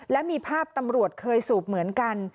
และมีภาพตำรวจเคยสูบเหมือนกัน